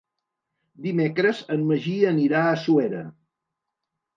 Dimecres en Magí anirà a Suera.